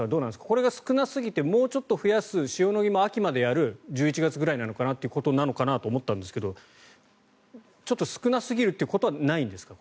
これが少なすぎてもうちょっと増やす塩野義も秋までやる１１月ぐらいまでなのかなということかと思ったんですがちょっと少なすぎるということはないんですか